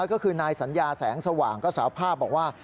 ก็คือนายสัญญาแสงสว่างก็สาวภาพบอกว่า